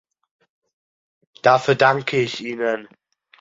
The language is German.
Dafür danke ich ihnen.